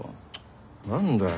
何だよ。